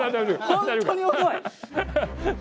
本当に重い！